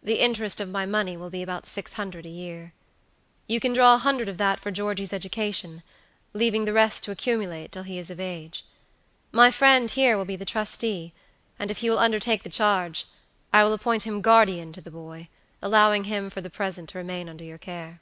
The interest of my money will be about six hundred a year. You can draw a hundred of that for Georgey's education, leaving the rest to accumulate till he is of age. My friend here will be trustee, and if he will undertake the charge, I will appoint him guardian to the boy, allowing him for the present to remain under your care."